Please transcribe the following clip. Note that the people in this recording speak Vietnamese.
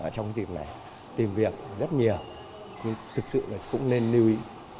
trong dịp này tìm việc rất nhiều nhưng thực sự cũng nên lưu ý